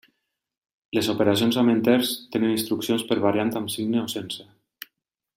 Les operacions amb enters tenen instruccions per variant amb signe o sense.